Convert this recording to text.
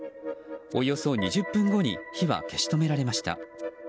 およそ２０分後に火は消し止められました。